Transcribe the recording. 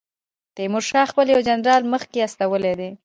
تیمورشاه خپل یو جنرال مخکې استولی دی.